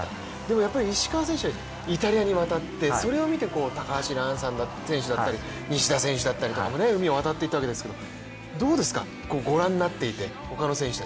でもやっぱり石川選手はイタリアに渡ってそれを見て高橋藍選手だったり西田選手も海を渡っていったわけですけど、他の選手たちをご覧になっていて、どうですか。